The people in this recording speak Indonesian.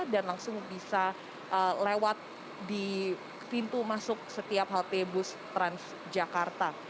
dan langsung bisa lewat di pintu masuk setiap halte bus transjakarta